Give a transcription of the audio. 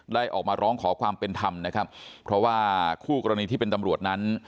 ออกมาร้องขอความเป็นธรรมนะครับเพราะว่าคู่กรณีที่เป็นตำรวจนั้น